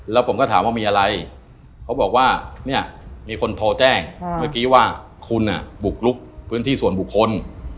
แล้วผมก็ถามว่ามีอะไรเขาบอกว่าเนี่ยมีคนโทรแจ้งเมื่อกี้ว่าคุณบุกลุกพื้นที่ส่วนบุคคล